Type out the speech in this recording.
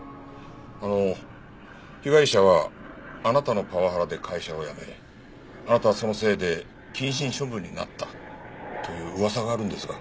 あの被害者はあなたのパワハラで会社を辞めあなたはそのせいで謹慎処分になったという噂があるんですが。